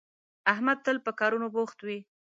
احمد تل په کارونو بوخت وي